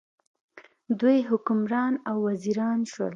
دوی حکمران او وزیران شول.